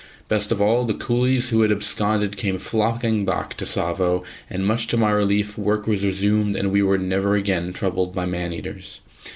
Best of all, the coolies who had absconded came flocking back to Tsavo, and much to my relief work was resumed and we were never again troubled by man eaters.